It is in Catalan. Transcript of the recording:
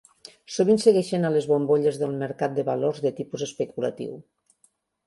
Sovint segueixen a les bombolles del mercat de valors de tipus especulatiu.